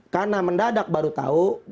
karena mendadak baru tahu